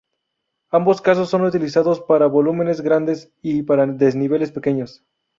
Ambos casos son utilizados para volúmenes grandes y para desniveles pequeños.